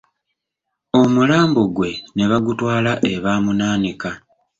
Omulambo gwe ne bagutwala e Baamunaanika